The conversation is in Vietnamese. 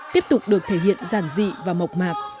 tiếp tục được thể hiện giản dị và mộc mạc